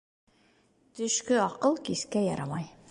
Төшкө аҡыл кискә ярамай.